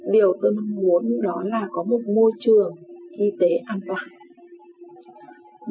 điều tôi mong muốn đó là có một môi trường y tế an toàn